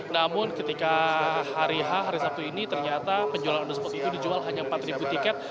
namun ketika hari h hari sabtu ini ternyata penjualan on the spot itu dijual hanya empat tiket